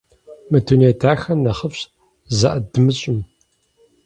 Мы дуней дахэр нэхъыфӀщ зэӀыдмыщӀэм.